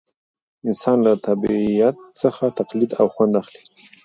انسان له طبیعت څخه تقلید او خوند اخلي.